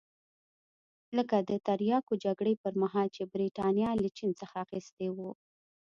لکه د تریاکو جګړې پرمهال چې برېټانیا له چین څخه اخیستي وو.